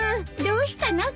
どうしたの？